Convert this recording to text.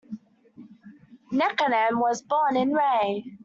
Nekounam was born in Rey.